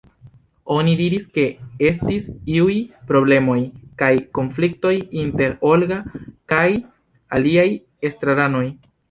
Oni diris ke estis iuj problemoj kaj konfliktoj inter Olga kaj aliaj estraranoj.